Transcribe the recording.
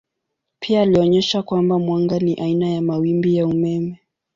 Pia alionyesha kwamba mwanga ni aina ya mawimbi ya umeme.